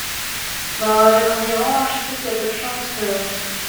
Ben avec Enguerrand, je sais qu’il y a peu de chances que…